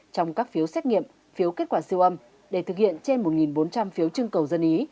trong các phiếu xét nghiệm phiếu kết quả siêu âm để thực hiện trên một bốn trăm linh phiếu trưng cầu dân ý